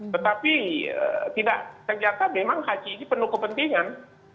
tetapi tidak ternyata memang haji ini penuh kepentingan